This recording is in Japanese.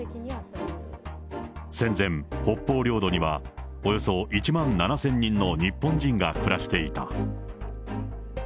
戦前、北方領土にはおよそ１万７０００人の日本人が暮らしていた。